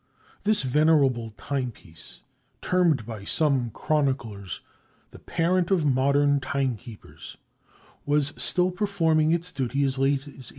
This venerable timepiece termed by some chroniclers "the parent of modern timekeepers," was still performing its duty as late as 1850.